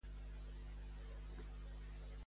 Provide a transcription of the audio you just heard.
Qui es va creure que era els seus pares?